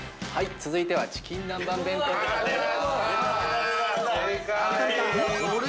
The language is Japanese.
◆続いてはチキン南蛮弁当でございます。